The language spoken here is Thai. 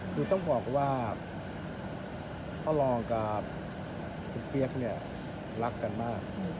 คือต้องบอกว่าพ่อรองกับคุณเปี๊ยกเนี่ยรักกันมาก